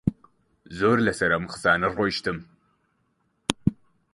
زۆر لەسەر ئەم قسانە ڕۆیشتم